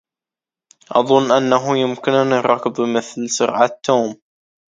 أظن أنه يمكنني الركض بمثل سرعة توم.